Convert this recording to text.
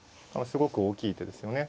すごく大きい手ですよね。